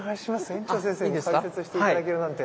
園長先生に解説して頂けるなんて。